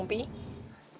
yaudah kamu mau janjikan